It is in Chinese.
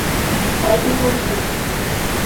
白金温泉